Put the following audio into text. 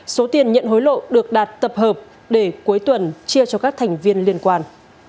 số tiền nhận hối lộ được đạt tập hợp để cuối tuần chia cho các thành viên liên quan